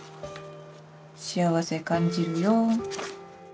「幸せ感じるよ」。